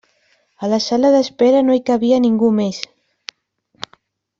A la sala d'espera no hi cabia ningú més.